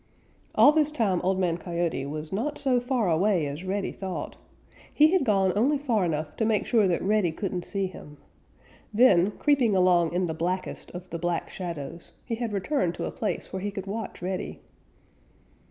All this time Old Man Coyote was not so far away as Reddy thought. He had gone only fat enough to make sure that Reddy couldn't see him. Then, creeping along in the blackest of the Black Shadows, he had returned to a place where he could watch Reddy.